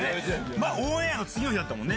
まあ、オンエアの次の日だったもんね。